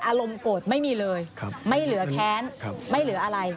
อารมณ์โกรธไม่มีเลยไม่เหลือแค้นไม่เหลืออะไร